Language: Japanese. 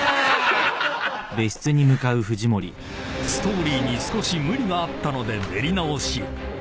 ［ストーリーに少し無理があったので練り直し］